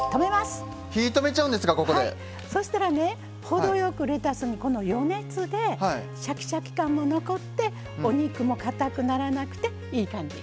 程よくレタスにこの余熱でシャキシャキ感も残ってお肉もかたくならなくていい感じ。